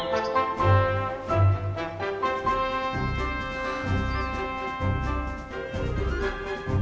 はあ。